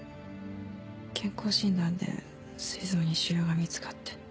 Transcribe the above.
健康診断で膵臓に腫瘍が見つかって。